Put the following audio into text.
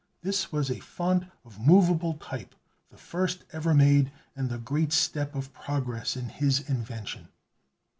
This was a font of movable type, the first ever made, and the great step of progress in his invention.